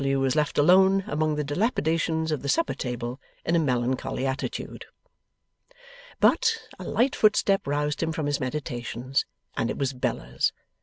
W. was left alone among the dilapidations of the supper table, in a melancholy attitude. But, a light footstep roused him from his meditations, and it was Bella's.